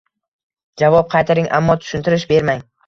Javob qaytaring, ammo tushuntirish bermang